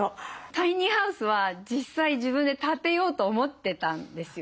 タイニーハウスは実際自分で建てようと思ってたんですよ。